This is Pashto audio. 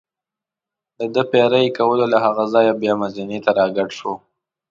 دده پیره یې کوله، له هغه ځایه بیا مزینې ته را کډه شو.